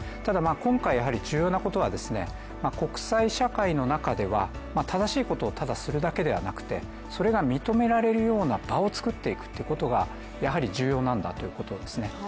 今回重要なことは国際社会の中では正しいことをするだけではなくてそれが認められるような場をつくっていくことが重要なんだということですね。